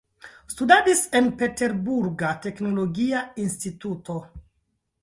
Studadis en Peterburga teknologia instituto.